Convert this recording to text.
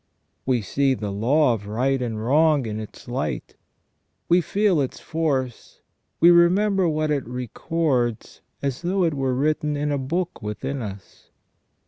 We see the law of right and wrong in its light, we feel its force, we remember what it records as though it were written in a book within us.